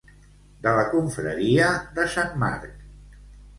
De la confraria de sant Marc.